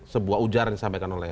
sebuah ujaran disampaikan oleh